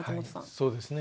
そうですね。